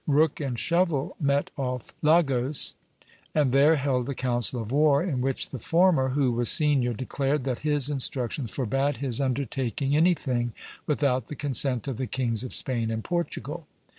Rooke and Shovel met off Lagos, and there held a council of war, in which the former, who was senior, declared that his instructions forbade his undertaking anything without the consent of the kings of Spain and Portugal.